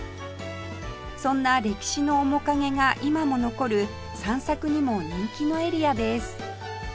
そんな歴史の面影が今も残る散策にも人気のエリアです